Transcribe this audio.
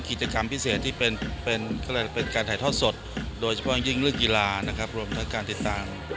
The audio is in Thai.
กิจกรรมพิเศษที่เป็นการถ่ายทอดสดโดยเฉพาะยิ่งเรื่องกีฬานะครับรวมทั้งการติดตาม